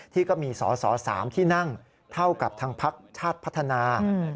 ที่ก็มีสอสอ๓ที่นั่งเท่ากับทางพักชาติพัฒนา